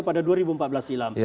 pada dua ribu empat belas silam